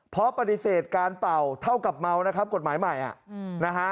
เพราะปฏิเสธการเป่าเท่ากับเมานะครับกฎหมายใหม่นะฮะ